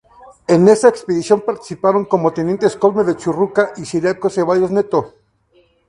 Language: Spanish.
En esta expedición participaron como tenientes Cosme de Churruca y Ciriaco Ceballos Neto.